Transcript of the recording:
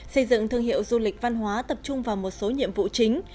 xây dựng thương hiệu du lịch văn hóa tập trung vào một số nhiệm vụ chính